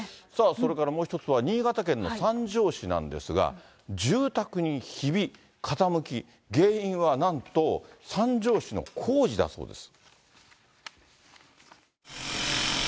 それからもう１つは新潟県の三条市なんですが、住宅にひび、傾き、原因はなんと、三条市の工事だそうです。